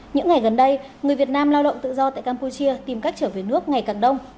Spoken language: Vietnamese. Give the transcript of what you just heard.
những ngày gần đây người việt nam lao động tự do tại campuchia tìm cách trở về nước ngày càng đông